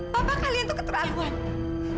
papa kalian itu keterlaluan